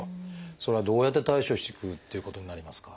それはどうやって対処していくっていうことになりますか？